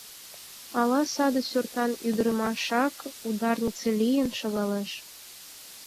Ала саде суртан ӱдырамашак ударнице лийын шогалеш.